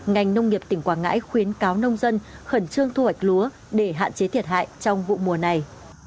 ngành nông nghiệp tỉnh quảng ngãi khuyến cáo nông dân khẩn trương thu hoạch lúa để hạn chế thiệt hại trong vụ mùa này